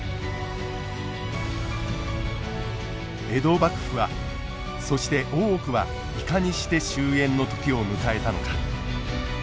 江戸幕府はそして大奥はいかにして終えんの時を迎えたのか。